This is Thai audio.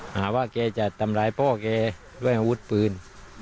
หงากว่าเค้จะตำรายป่าเค้ว่าอาวุธปืน